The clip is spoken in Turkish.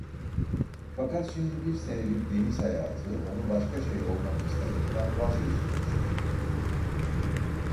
Fakat şimdi bir senelik deniz hayatı onu başka şey olmak istemekten vazgeçirmişti.